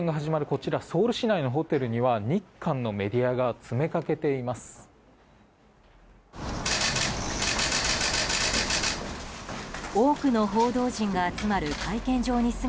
こちらソウル市内のホテルには日韓のメディアが詰めかけています。